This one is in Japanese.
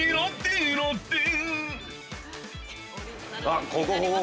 ◆あっ、ここ、ここ、ここ。